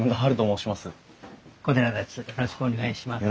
よろしくお願いします。